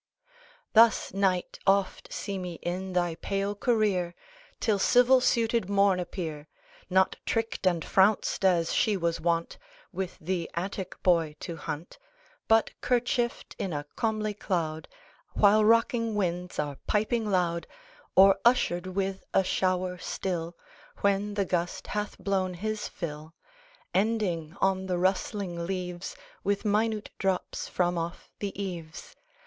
Thus, Night, oft see me in thy pale career, Till civil suited Morn appear, Not tricked and frounced, as she was wont With the Attic boy to hunt, But kerchieft in a comely cloud While rocking winds are piping loud, Or ushered with a shower still, When the gust hath blown his fill, Ending on the rustling leaves, With minute drops from off the eaves.